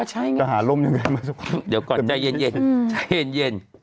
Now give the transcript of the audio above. เดี๋ยวก่อนเราจะเย็น